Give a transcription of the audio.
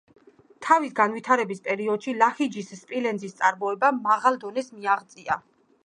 თავის განვითარების პერიოდში ლაჰიჯის სპილენძის წარმოებამ მაღალ დონეს მიაღწია.